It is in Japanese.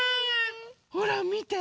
ほらみて。